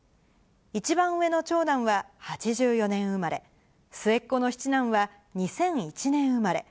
一番上の長男は８４年生まれ、末っ子の七男は２００１年生まれ。